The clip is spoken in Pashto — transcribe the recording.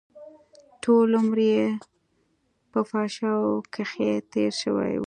ټول عمر يې په فحشاوو کښې تېر شوى و.